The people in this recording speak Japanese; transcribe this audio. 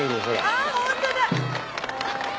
あホントだ！